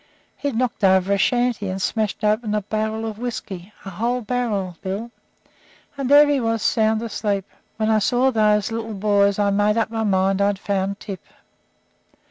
He'd knocked over a shanty and smashed open a barrel of whisky a whole barrel, Bill and there he was sound asleep. When I saw those little boys I made up my mind I'd found Tip.